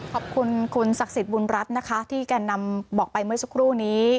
ขอบคุณคุณศักดิ์สิทธิ์บุญรัฐนะคะที่แก่นำบอกไปเมื่อสักครู่นี้